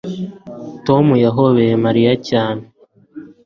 Tom yahobeye Mariya cyane